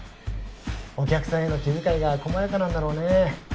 お客さんへの気遣いがこまやかなんだろうね。